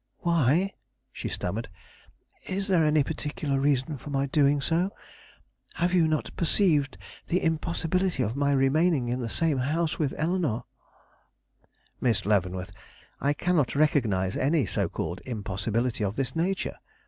"Why?" she stammered. "Is there any particular reason for my doing so? Have you not perceived the impossibility of my remaining in the same house with Eleanore?" "Miss Leavenworth, I cannot recognize any so called impossibility of this nature.